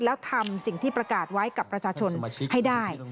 แล้วทำสิ่งที่ประกาศไว้กับประชาชนให้ได้